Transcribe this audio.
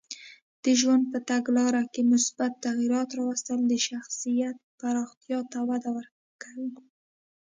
د ژوند په تګلاره کې مثبت تغییرات راوستل د شخصیت پراختیا ته وده ورکوي.